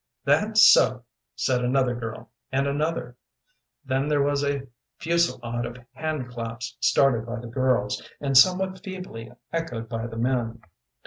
"That's so," said another girl, and another. Then there was a fusilade of hand claps started by the girls, and somewhat feebly echoed by the men.